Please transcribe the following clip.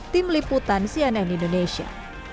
tim liputan cnn indonesia